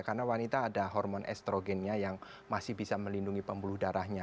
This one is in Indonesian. karena wanita ada hormon estrogennya yang masih bisa melindungi pembuluh darahnya